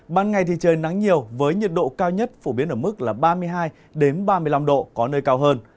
ban ngày thì trời nắng nhiều với nhiệt độ cao nhất phổ biến ở mức ba mươi hai ba mươi năm độ có nơi cao hơn